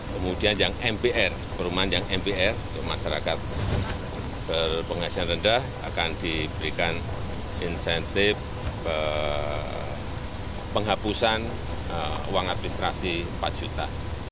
kemudian yang mpr perumahan yang mpr untuk masyarakat berpenghasilan rendah akan diberikan insentif penghapusan uang administrasi empat juta